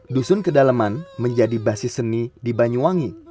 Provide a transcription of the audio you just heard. dusun kedalaman menjadi basis seni di banyuwangi